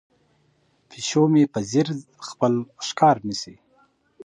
پیشو مې په ځیر خپل ښکار نیسي.